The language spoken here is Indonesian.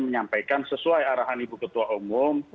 menyampaikan sesuai arahan ibu ketua umum